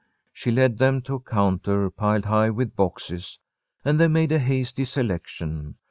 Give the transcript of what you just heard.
She led them to a counter piled high with boxes, and they made a hasty selection.